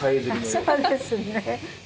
そうですね。